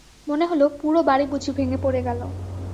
মনে হল পুরো বাড়ি বুঝি ভেঙে পড়ে গেল।